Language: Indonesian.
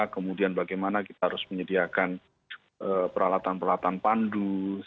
kemudian bagaimana kita harus menyediakan peralatan peralatan pandu